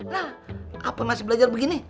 nah apa masih belajar begini